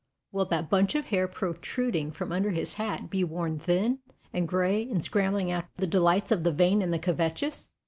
Will that bunch of hair protruding from under his hat be worn thin and gray in scrambling after the delights of the vain and the covetous?